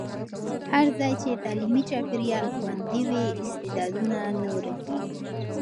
هر ځای چې تعلیمي چاپېریال خوندي وي، استعدادونه نه ورکېږي.